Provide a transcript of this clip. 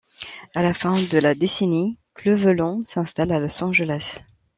À la fin de la décennie, Cleveland s'installe à Los Angeles.